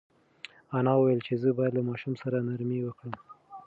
انا وویل چې زه باید له ماشوم سره نرمي وکړم.